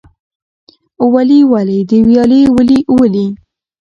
ولي ولې د ویالې ولې ولې؟